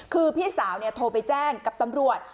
คือพี่สาวโทรไปแจ้งกับตำรวจ